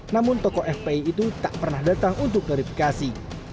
namun toko fpi itu tak pernah datang untuk klarifikasi